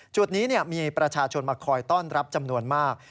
จุดนี้มีประชาชนมาคอยต้อนรับจำนวนมาก